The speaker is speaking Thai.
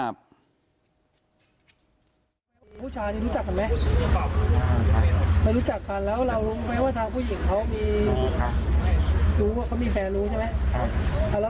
ผู้ชายรู้จักกันไหมเรารู้จักกันแล้วเรารู้ไหมว่าทางผู้หญิงเขามีรู้ว่าเขามีแฟนรู้ใช่ไหม